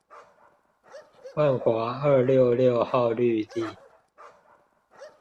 萬華二六六號綠地